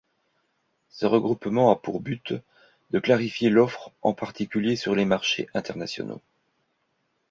Ce regroupement a pour but de clarifier l'offre en particulier sur les marchés internationaux.